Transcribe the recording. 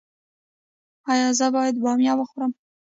ایا زه باید بامیه وخورم؟